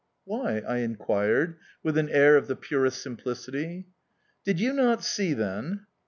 "Why?" I inquired, with an air of the purest simplicity. "Did you not see, then?"